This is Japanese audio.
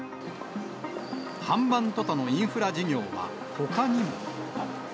ハンバントタのインフラ事業はほかにも。